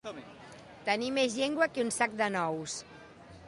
Tenir més llengua que un sac de nous.